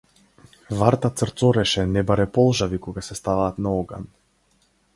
Варта црцореше небаре полжави кога се ставаат на оган.